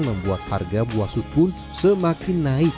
membuat harga buah sukun semakin murah dan lebih murah